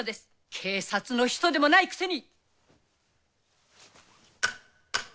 警察の人でもないくせに。